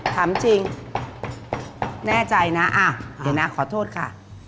ถามจริงแน่ใจนะเดี๋ยวนะขอโทษค่ะ